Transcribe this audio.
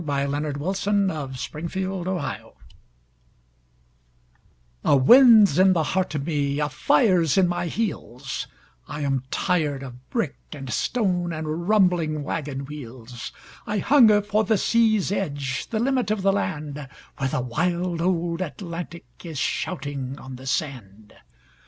203175A Wanderer's SongJohn Masefield A wind's in the heart of me, a fire's in my heels, I am tired of brick and stone and rumbling wagon wheels; I hunger for the sea's edge, the limit of the land, Where the wild old Atlantic is shouting on the sand.